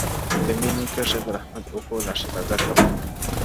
د ميني كرښه د رحمت اوبو لاښه تازه كــــــړه،